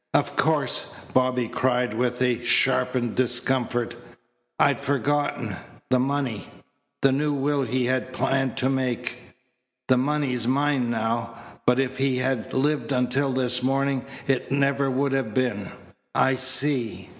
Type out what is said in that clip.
"Of course," Bobby cried with a sharpened discomfort. "I'd forgotten. The money the new will he had planned to make. The money's mine now, but if he had lived until this morning it never would have been. I see."